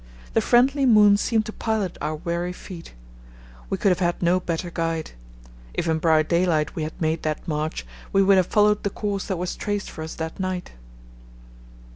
The friendly moon seemed to pilot our weary feet. We could have had no better guide. If in bright daylight we had made that march we would have followed the course that was traced for us that night.